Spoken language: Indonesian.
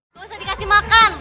gak usah dikasih makan